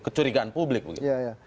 kecurigaan publik begitu